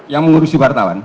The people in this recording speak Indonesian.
yang mengurusi wartawan